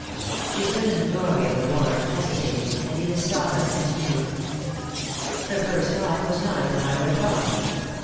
She stood in the doorway of the ward, hesitating, and Edith saw her and knew. Her first thought was not of her mother at all.